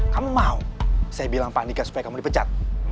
kamu mau saya bilang pak andika supaya kamu dipecat